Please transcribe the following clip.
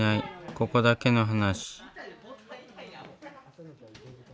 ここだけの話。